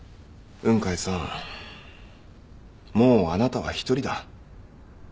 雲海さんもうあなたは一人だ。